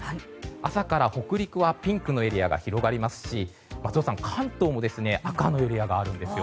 朝から北陸はピンクのエリアが広がりますし松尾さん、関東も赤のエリアがあるんですよ。